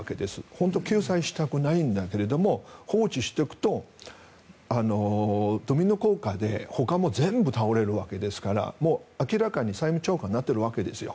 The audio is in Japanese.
本当は救済したくないんだけど放置しておくと、ドミノ効果でほかも全部倒れるわけですからもう明らかに債務超過になっているわけですよ。